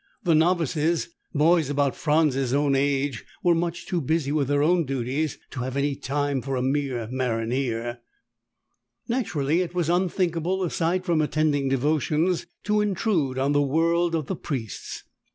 The novices, boys about Franz's own age, were much too busy with their own duties to have any time for a mere maronnier. Naturally it was unthinkable, aside from attending devotions, to intrude on the world of the priests.